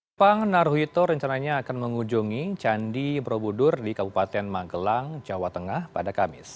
jepang naruhito rencananya akan mengunjungi candi borobudur di kabupaten magelang jawa tengah pada kamis